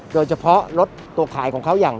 โดยเฉพาะรถตัวขายของเขาอย่าง